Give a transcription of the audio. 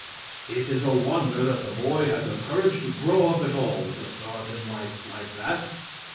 It is a wonder that the boy had the courage to grow up at all with a start in life like that.